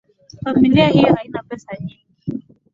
Familia hiyo haina pesa nyingi